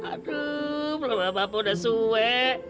aduh belum apa apa udah sue